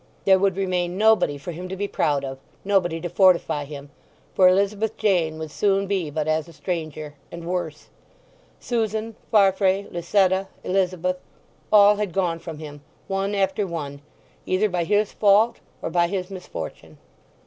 There would remain nobody for him to be proud of, nobody to fortify him; for Elizabeth Jane would soon be but as a stranger, and worse. Susan, Farfrae, Lucetta, Elizabeth—all had gone from him, one after one, either by his fault or by his misfortune.